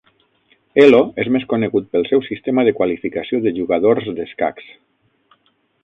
Elo és més conegut pel seu sistema de qualificació de jugadors d'escacs.